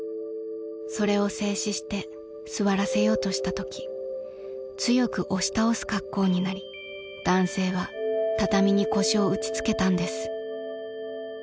［それを制止して座らせようとしたとき強く押し倒す格好になり男性は畳に腰を打ちつけたんです］